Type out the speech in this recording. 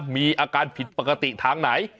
มีอาการผิดปกติทางไหน